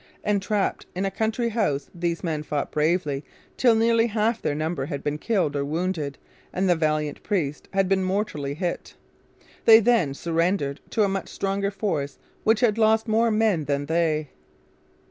Entrapped in a country house these men fought bravely till nearly half their number had been killed or wounded and the valiant priest had been mortally hit. They then surrendered to a much stronger force which had lost more men than they.